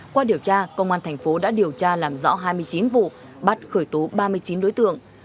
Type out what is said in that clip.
qua điều tra công an thành phố đã điều tra làm rõ hai mươi chín vụ bắt khởi tố ba mươi chín đối tượng